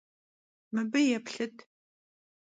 Mıbı yêplhıt!